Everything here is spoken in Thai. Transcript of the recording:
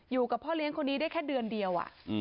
อยู่กับพ่อเลี้ยงคนนี้ได้แค่เดือนเดียว